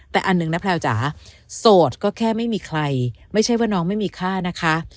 แต่อันหนึ่งนะแพลวจ๋าโสดก็แค่ไม่มีใครไม่ใช่ว่าน้องไม่มีค่านะคะ